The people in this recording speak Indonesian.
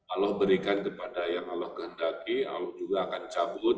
allah berikan kepada yang allah kehendaki allah juga akan cabut